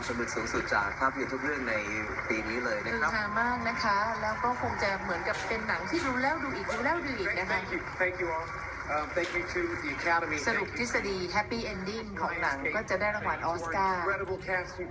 ก็ไม่น่าเกลียดค่ะ๑๔ด้าน๗